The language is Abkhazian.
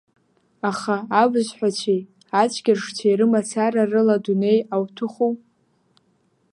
Аха, абызҳәацәеи ацәгьаршцәеи рымацара рыла адунеи ауҭәыху…